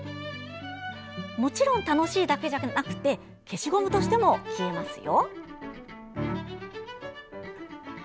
もちろん楽しいだけではなく消しゴムとしても消えますよ。